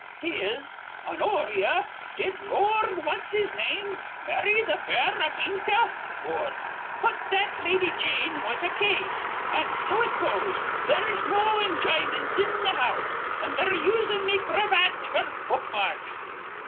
'Tis 'Honoria, did Lor rd What's his name marry th' fair Aminta?' or 'But that Lady Jane was a case.' An' so it goes. There's no injymint in th' house, an' they're usin' me cravats f'r bookmarks."